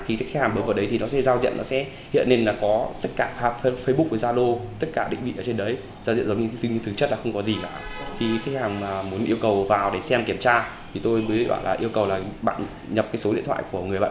khi khách hàng muốn yêu cầu vào để xem kiểm tra tôi mới yêu cầu bạn nhập số điện thoại của người bạn